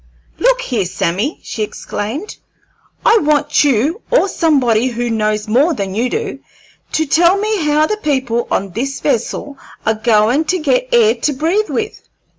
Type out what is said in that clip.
"Look here, Sammy," she exclaimed; "I want you, or somebody who knows more than you do, to tell me how the people on this vessel are goin' to get air to breathe with.